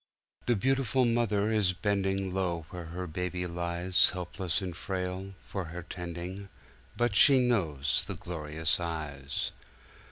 "The beautiful Mother is bending Low where her Baby liesHelpless and frail, for her tending; But she knows the glorious eyes."